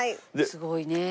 すごいねえ。